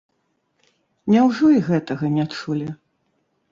Няўжо і гэтага не чулі?